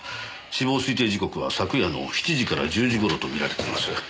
死亡推定時刻は昨夜の７時から１０時頃とみられています。